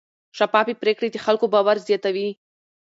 شفافې پریکړې د خلکو باور زیاتوي.